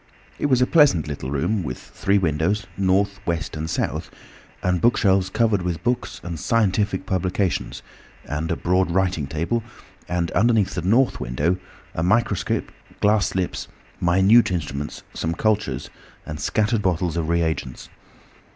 It was a pleasant little room, with three windows—north, west, and south—and bookshelves covered with books and scientific publications, and a broad writing table, and, under the north window, a microscope, glass slips, minute instruments, some cultures, and scattered bottles of reagents.